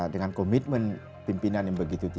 dengan komitmen pimpinan yang berada di dalam ini